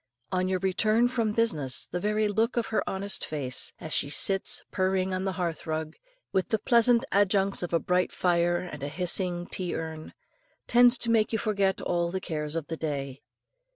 On your return from business, the very look of her honest face, as she sits purring on the hearth rug, with the pleasant adjuncts of a bright fire and hissing tea urn, tends to make you forget all the cares of the day.